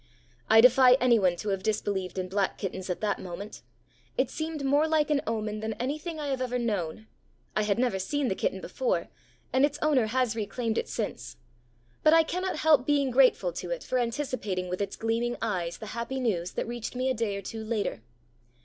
I defy anyone to have disbelieved in black kittens at that moment. It seemed more like an omen than anything I have ever known. I had never seen the kitten before, and its owner has reclaimed it since. But I cannot help being grateful to it for anticipating with its gleaming eyes the happy news that reached me a day or two later.